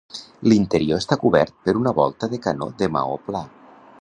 L'interior està cobert per una volta de canó de maó pla.